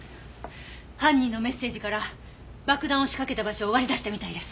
犯人のメッセージから爆弾を仕掛けた場所を割り出したみたいです。